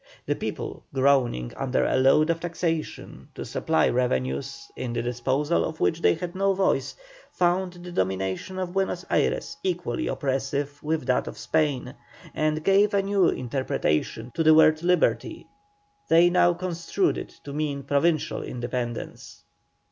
The people, groaning under a load of taxation to supply revenues in the disposal of which they had no voice, found the domination of Buenos Ayres equally oppressive with that of Spain, and gave a new interpretation to the word liberty: they now construed it to mean provincial independence.